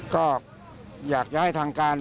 ก็อยากให้อย่างทางการ